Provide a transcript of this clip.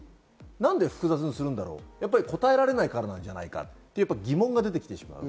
何で複雑にするんだろう、やっぱり答えられないからなんじゃないかという疑問が出てきてしまう。